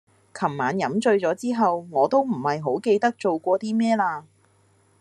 琴晚飲醉咗之後我都唔係好記得做過啲咩啦